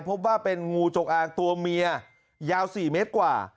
พบว่าเป็นงูจงอางตัวเมียยาว๔เมตรกว่า